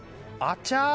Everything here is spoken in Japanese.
あちゃー。